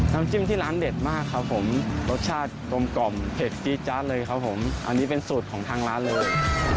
น้ำจิ้มที่ร้านเด็ดมากครับผมรสชาติกลมกล่อมเผ็ดจี๊จาดเลยครับผมอันนี้เป็นสูตรของทางร้านเลย